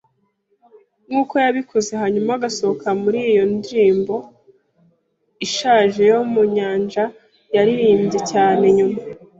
nkuko yabikoze, hanyuma agasohoka muri iyo ndirimbo ishaje yo mu nyanja yaririmbye cyane nyuma: